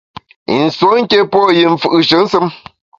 I nsuo nké pô yi mfù’she nsùm.